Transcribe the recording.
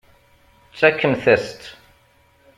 Tfakemt-as-tt.